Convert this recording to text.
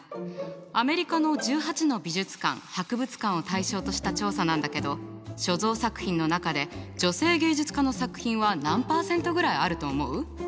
アメリカの１８の美術館・博物館を対象とした調査なんだけど所蔵作品の中で女性芸術家の作品は何％ぐらいあると思う？